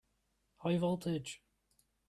High voltage!